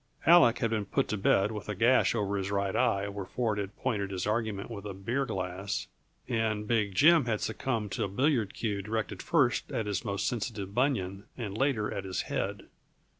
Aleck had been put to bed with a gash over his right eye where Ford had pointed his argument with a beer glass, and Big Jim had succumbed to a billiard cue directed first at his most sensitive bunion and later at his head.